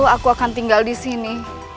aku akan tinggal disini